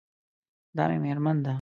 دا مې میرمن ده